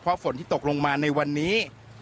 เพราะฝนที่ตกลงมาในวันนี้